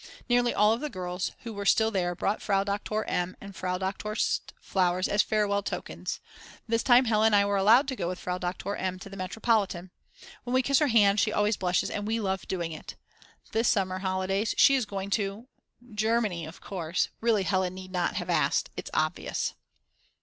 Nearly all the girls who were still there brought Frau Doktor M. and Frau Doktor St. flowers as farewell tokens. This time, Hella and I were allowed to go with Frau Doktor M. to the metropolitan. When we kiss her hand she always blushes, and we love doing it. This summer holidays she is going to Germany, of course; really Hella need not have asked; it's obvious!!!